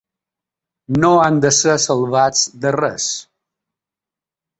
No han de ser salvats de res.